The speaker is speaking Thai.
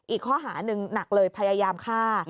อีกข้อหาหนึ่งหนักเลยพยายามฆ่า